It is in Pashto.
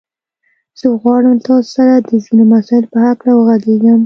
زه غواړم له تاسو سره د ځينو مسايلو په هکله وغږېږم.